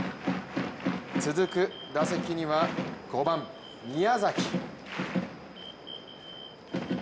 続く打席には５番・宮崎。